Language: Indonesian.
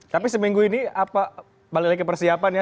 tapi seminggu ini apa balik lagi persiapan ya